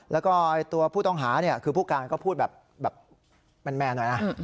แล้วก็ตัวผู้ต้องหาเนี่ยคือผู้การก็พูดแบบแมนหน่อยนะ